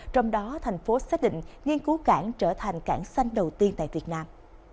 trong đó thành phố xác định nghiên cứu cảng trở thành cảng xanh đầu tiên tại việt nam